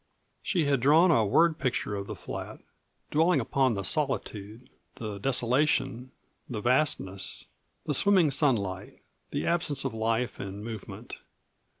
She had drawn a word picture of the flat; dwelling upon the solitude, the desolation, the vastness, the swimming sunlight, the absence of life and movement.